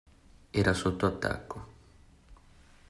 Era sotto attacco.